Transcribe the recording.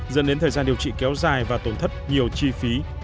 dẫn đến thời gian điều trị kéo dài và tổn thất nhiều chi phí